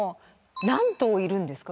何頭いるんですか？